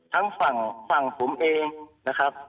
ทั้งฝั่งผมเองนะครับ